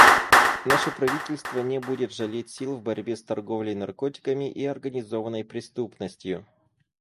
Наше правительство не будет жалеть сил в борьбе с торговлей наркотиками и организованной преступностью.